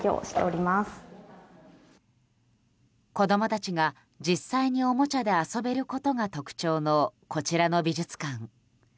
子供たちが実際におもちゃで遊べることが特徴のこちらの美術館。